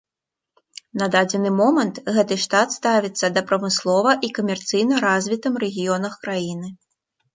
На дадзены момант гэты штат ставіцца да прамыслова і камерцыйна развітым рэгіёнах краіны.